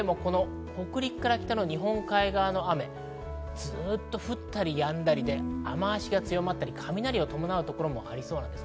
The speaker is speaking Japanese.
北陸から北の日本海側の雨、ずっと降ったりやんだりで雨脚が強まったり雷を伴うところもありそうです。